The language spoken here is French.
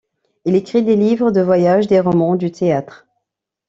Il écrit des livres de voyage, des romans, du théâtre.